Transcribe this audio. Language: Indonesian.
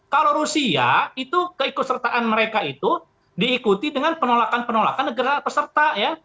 kalau rusia itu keikutsertaan mereka itu diikuti dengan penolakan penolakan negara peserta ya